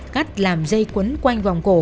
cắt làm dây cuốn quanh vòng cổ